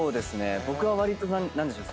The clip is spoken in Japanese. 僕はわりと何でしょう。